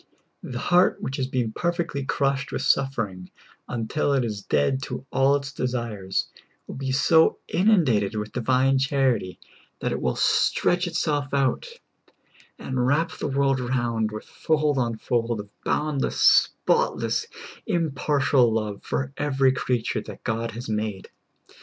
The heart which has been perfectly crushed with suffering until it is dead to all its desires will be so inundated with divine charity that it will stretch itself out, and wrap the world round with fold on fold of boundless, spot less, impartial love for every creature that God has made.